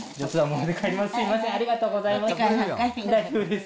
うわっ、ありがとうございます。